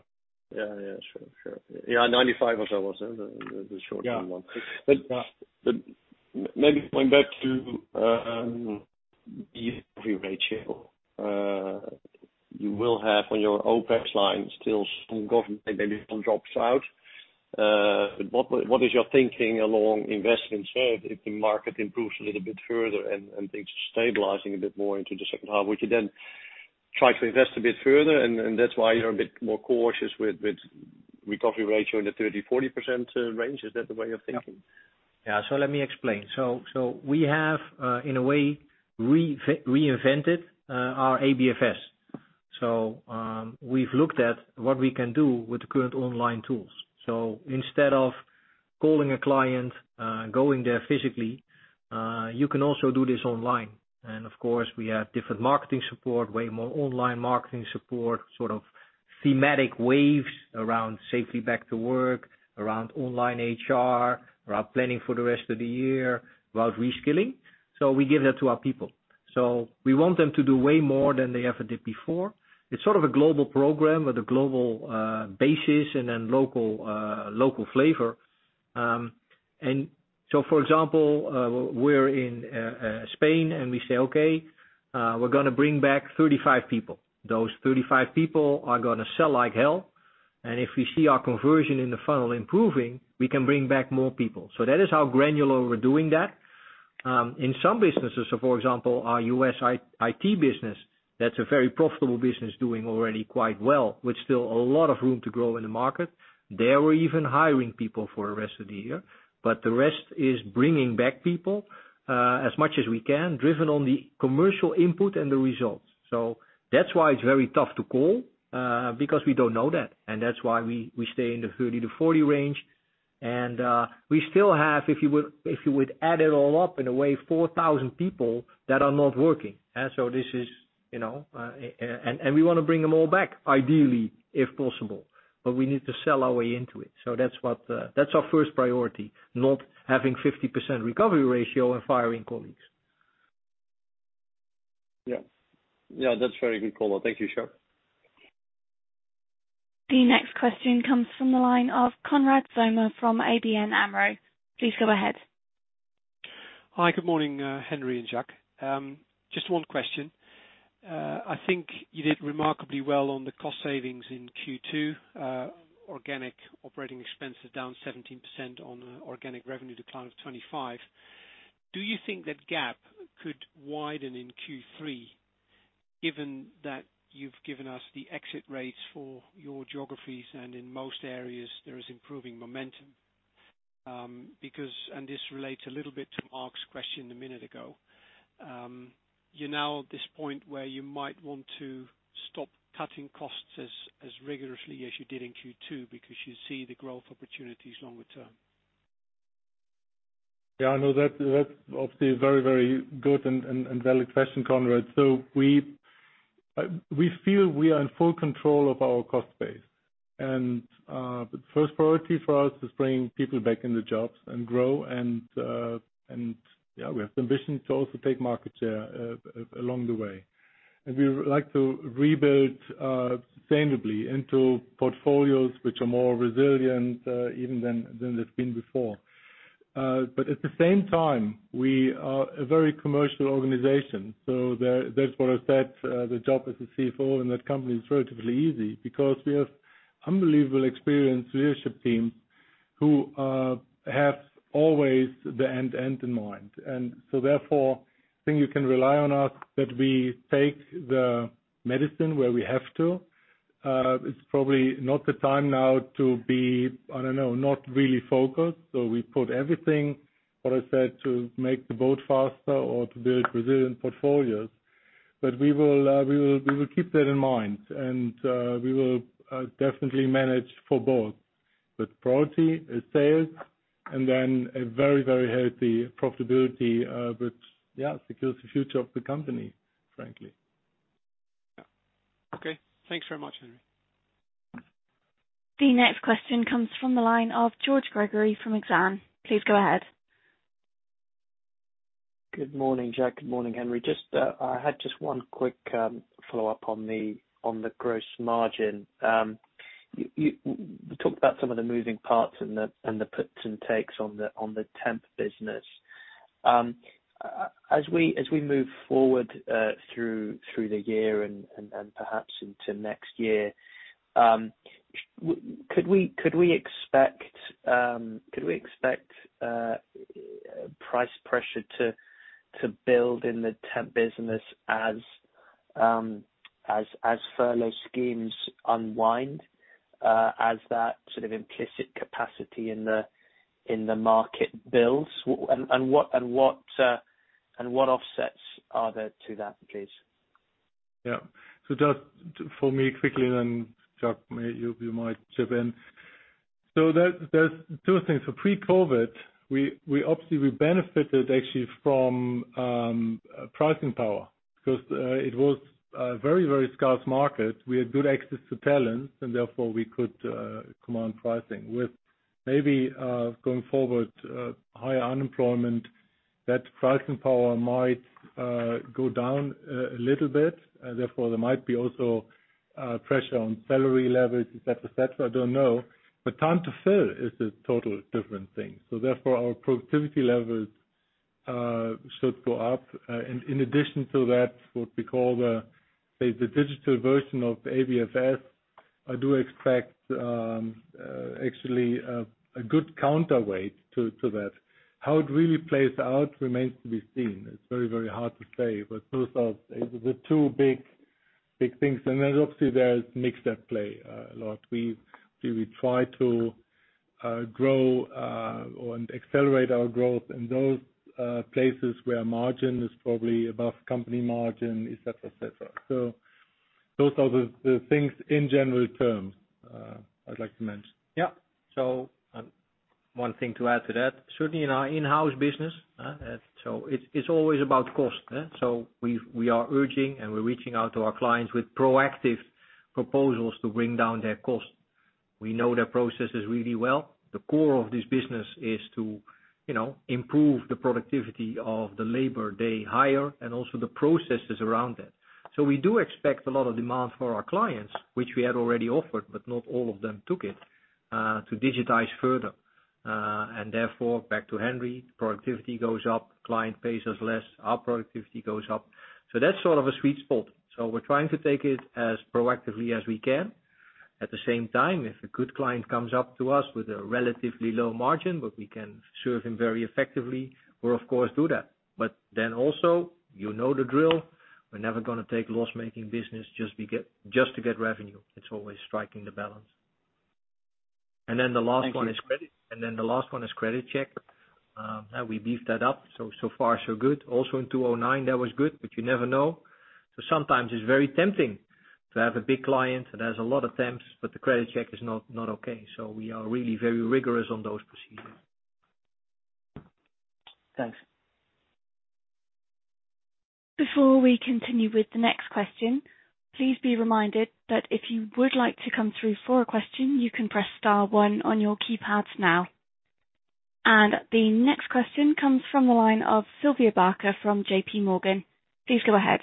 sure. Yeah, 95 or so was the short-term one. Maybe going back to recovery ratio, you will have on your OpEx line still some government, maybe some drops out. What is your thinking along investing, say, if the market improves a little bit further and things are stabilizing a bit more into the second half, would you then try to invest a bit further, and that's why you're a bit more cautious with recovery ratio in the 30%-40% range? Is that the way you're thinking? Yeah. Let me explain. We have, in a way, reinvented our ABFS. We've looked at what we can do with the current online tools. Of course, we have different marketing support, way more online marketing support, sort of thematic waves around safely back to work, around online HR, around planning for the rest of the year, about reskilling. We give that to our people. We want them to do way more than they ever did before. It's sort of a global program with a global basis and then local flavor. For example, we're in Spain, and we say, "Okay, we're going to bring back 35 people." Those 35 people are going to sell like hell. If we see our conversion in the funnel improving, we can bring back more people. That is how granular we're doing that. In some businesses, for example, our U.S. IT business, that's a very profitable business doing already quite well, with still a lot of room to grow in the market. They're even hiring people for the rest of the year. The rest is bringing back people as much as we can, driven on the commercial input and the results. That's why it's very tough to call, because we don't know that, and that's why we stay in the 30-40 range. We still have, if you would add it all up in a way, 4,000 people that are not working. We want to bring them all back, ideally, if possible, but we need to sell our way into it. That's our first priority, not having 50% recovery ratio and firing colleagues. That's a very good call out. Thank you, Sjoerd. The next question comes from the line of Conrad Zoma from ABN AMRO. Please go ahead. Hi. Good morning, Henry and Jacques. Just one question. I think you did remarkably well on the cost savings in Q2. Organic operating expenses down 17% on organic revenue decline of 25%. Do you think that gap could widen in Q3 given that you've given us the exit rates for your geographies and in most areas there is improving momentum? And this relates a little bit to Marc's question a minute ago, you're now at this point where you might want to stop cutting costs as rigorously as you did in Q2 because you see the growth opportunities longer term. Yeah, I know that's obviously a very good and valid question, Conrad. We feel we are in full control of our cost base. The first priority for us is bringing people back into jobs and grow and, yeah, we have the ambition to also take market share along the way. We would like to rebuild sustainably into portfolios which are more resilient even than they've been before. At the same time, we are a very commercial organization. That's what I said, the job as a CFO in that company is relatively easy because we have unbelievable experienced leadership team who have always the end-to-end in mind. Therefore, I think you can rely on us that we take the medicine where we have to. It's probably not the time now to be, I don't know, not really focused. We put everything, what I said, to make the boat faster or to build resilient portfolios. We will keep that in mind and we will definitely manage for both. Priority is sales and then a very, very healthy profitability, which, yeah, secures the future of the company, frankly. Yeah. Okay. Thanks very much, Henry. The next question comes from the line of George Gregory from Exane. Please go ahead. Good morning, Jack. Good morning, Henry. I had just one quick follow-up on the gross margin. You talked about some of the moving parts and the puts and takes on the temp business. As we move forward through the year and perhaps into next year, could we expect price pressure to build in the temp business as furlough schemes unwind, as that sort of implicit capacity in the market builds? What offsets are there to that, please? Yeah. Just for me quickly then, Jack, you might chip in. There's two things. For pre-COVID, obviously we benefited actually from pricing power because it was a very, very scarce market. We had good access to talent, and therefore we could command pricing. With maybe going forward higher unemployment, that pricing power might go down a little bit. Therefore, there might be also pressure on salary levels, et cetera. I don't know. Time to fill is a total different thing. Therefore our productivity levels should go up. In addition to that, what we call the, say, the digital version of ABFS, I do expect actually a good counterweight to that. How it really plays out remains to be seen. It's very, very hard to say. Those are the two big things. Then obviously there is mix at play a lot. We try to grow or accelerate our growth in those places where margin is probably above company margin, et cetera. Those are the things in general terms I'd like to mention. One thing to add to that, certainly in our Inhouse business, it's always about cost. We are urging and we're reaching out to our clients with proactive proposals to bring down their cost. We know their processes really well. The core of this business is to improve the productivity of the labor they hire and also the processes around it. We do expect a lot of demand for our clients, which we had already offered, but not all of them took it, to digitize further. Therefore back to Henry, productivity goes up, client pays us less, our productivity goes up. That's sort of a sweet spot. We're trying to take it as proactively as we can. At the same time, if a good client comes up to us with a relatively low margin, but we can serve him very effectively, we'll of course do that. Also, you know the drill, we're never going to take loss-making business just to get revenue. It's always striking the balance. Thank you. The last one is credit check. We beef that up, so far so good. In 2009, that was good, but you never know. Sometimes it's very tempting to have a big client that has a lot of temps, but the credit check is not okay. We are really very rigorous on those procedures. Thanks. Before we continue with the next question, please be reminded that if you would like to come through for a question, you can press star one on your keypads now. The next question comes from the line of Sylvia Barker from JPMorgan. Please go ahead.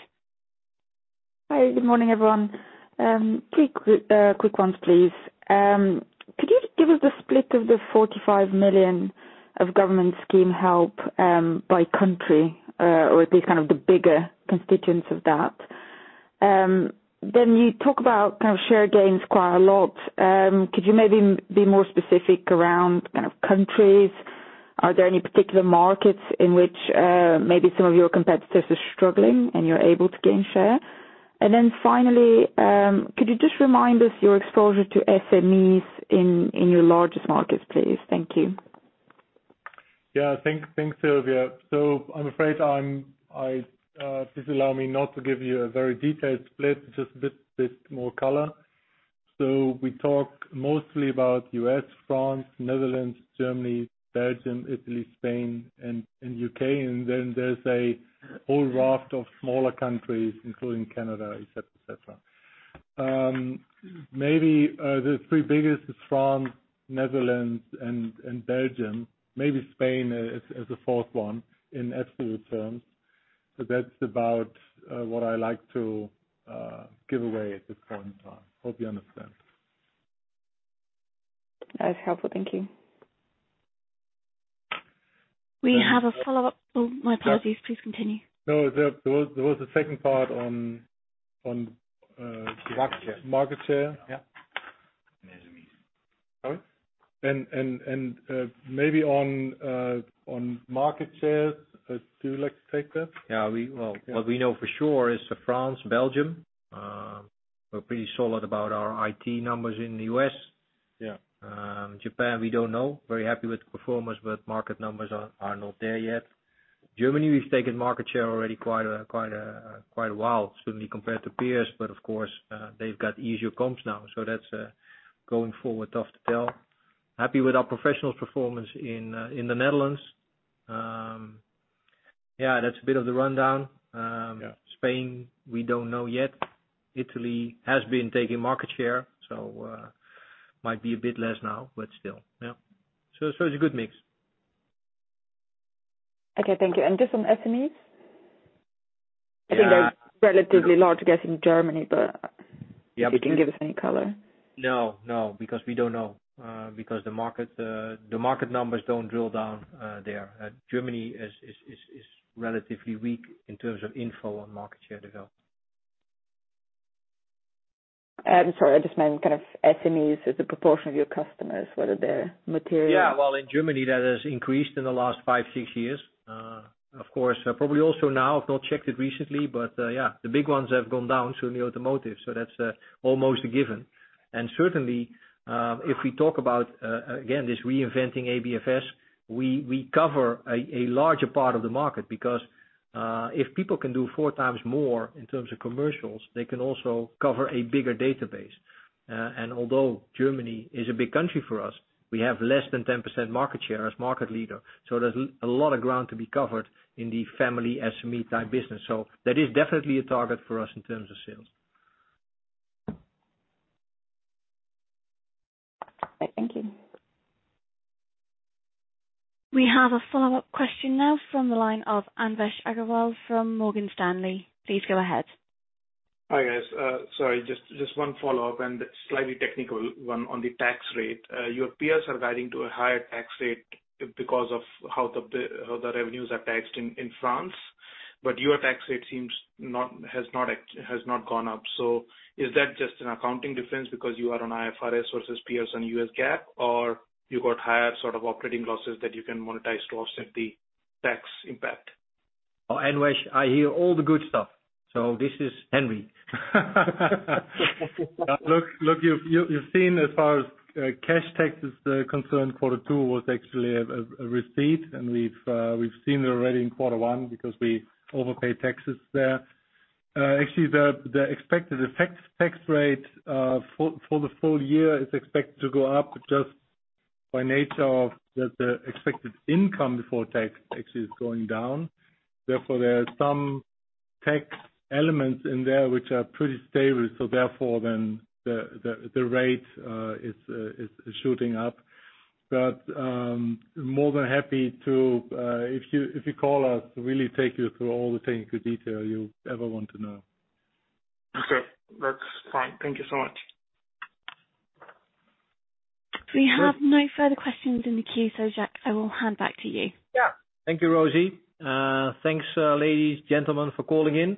Hi. Good morning, everyone. Three quick ones, please. Could you give us the split of the 45 million of government scheme help by country, or at least kind of the bigger constituents of that? You talk about kind of share gains quite a lot. Could you maybe be more specific around kind of countries? Are there any particular markets in which maybe some of your competitors are struggling and you're able to gain share? Finally, could you just remind us your exposure to SMEs in your largest markets, please? Thank you. Yeah. Thanks, Sylvia. I'm afraid, please allow me not to give you a very detailed split, just a bit more color. We talk mostly about U.S., France, Netherlands, Germany, Belgium, Italy, Spain, and U.K. Then there's a whole raft of smaller countries, including Canada, et cetera. Maybe the three biggest is France, Netherlands and Belgium, maybe Spain as a fourth one in absolute terms. That's about what I like to give away at this point in time. Hope you understand. That's helpful. Thank you. We have a follow-up. Oh, my apologies. Please continue. No, there was a second part on market share. Yeah. Maybe on market share, do you like to take that? Yeah. What we know for sure is France, Belgium, we're pretty solid about our IT numbers in the U.S. Yeah. Japan, we don't know. Very happy with the performance, but market numbers are not there yet. Germany, we've taken market share already quite a while, certainly compared to peers. Of course, they've got easier comps now, so that's going forward, tough to tell. Happy with our Professionals' performance in the Netherlands. Yeah, that's a bit of the rundown. Yeah. Spain, we don't know yet. Italy has been taking market share, so might be a bit less now, but still. Yeah. It's a good mix. Okay, thank you. Just on SMEs? I think they're relatively large, I guess, in Germany, but if you can give us any color. No. We don't know. The market numbers don't drill down there. Germany is relatively weak in terms of info on market share development. I'm sorry, I just meant kind of SMEs as a proportion of your customers, whether they're material. Well, in Germany, that has increased in the last five, six years. Of course, probably also now, I've not checked it recently, but, yeah, the big ones have gone down, certainly automotive, that's almost a given. Certainly, if we talk about, again, this reinventing ABFS, we cover a larger part of the market because, if people can do four times more in terms of commercials, they can also cover a bigger database. Although Germany is a big country for us, we have less than 10% market share as market leader. There's a lot of ground to be covered in the family SME type business. That is definitely a target for us in terms of sales. Thank you. We have a follow-up question now from the line of Anvesh Agrawal from Morgan Stanley. Please go ahead. Hi, guys. Sorry, just one follow-up, slightly technical one on the tax rate. Your peers are guiding to a higher tax rate because of how the revenues are taxed in France, your tax rate seems has not gone up. Is that just an accounting difference because you are on IFRS versus peers on US GAAP, or you got higher sort of operating losses that you can monetize to offset the tax impact? Oh, Anvesh, I hear all the good stuff. This is Henry. Look, you've seen as far as cash tax is concerned, quarter two was actually a receipt, and we've seen it already in quarter one because we overpay taxes there. Actually, the expected effective tax rate, for the full year is expected to go up just by nature of that the expected income before tax actually is going down. Therefore, there are some tax elements in there which are pretty stable, therefore then the rate is shooting up. More than happy to, if you call us, really take you through all the technical detail you ever want to know. Okay. That's fine. Thank you so much. We have no further questions in the queue, so Jacques, I will hand back to you. Thank you, Rosie. Thanks, ladies, gentlemen, for calling in.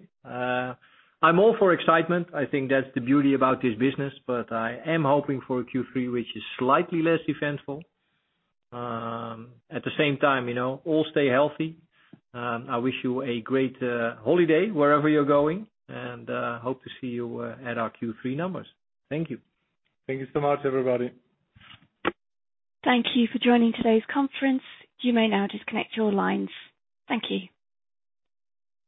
I'm all for excitement, I think that's the beauty about this business, but I am hoping for a Q3, which is slightly less eventful. At the same time, all stay healthy. I wish you a great holiday wherever you're going, and hope to see you at our Q3 numbers. Thank you. Thank you so much, everybody. Thank you for joining today's conference. You may now disconnect your lines. Thank you.